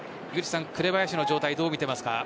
紅林の状態、どう見ていますか？